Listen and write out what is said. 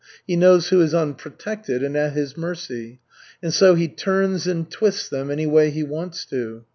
He knows who is unprotected and at his mercy. And so he turns and twists them anyway he wants to."